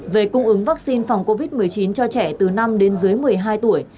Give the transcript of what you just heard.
về cung ứng vaccine phòng covid một mươi chín cho trẻ từ năm đến dưới một mươi hai tuổi